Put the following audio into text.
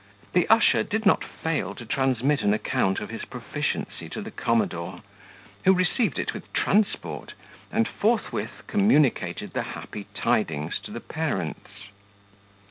The usher did not fail to transmit an account of his proficiency to the commodore, who received it with transport, and forthwith communicated the happy tidings to the parents.